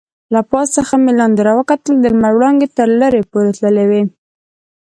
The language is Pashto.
له پاس څخه مې لاندې راوکتل، د لمر وړانګې تر لرې پورې تللې وې.